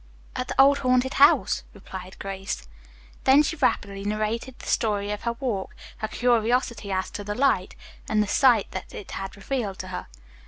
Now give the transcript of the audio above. "At the old haunted house," replied Grace. Then she rapidly narrated the story of her walk, her curiosity as to the light, and the sight that it had revealed to her.